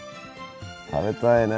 食べたいね。